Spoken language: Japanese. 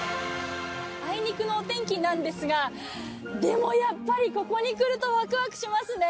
あいにくのお天気なんですが、でも、やっぱりここに来ると、わくわくしますね。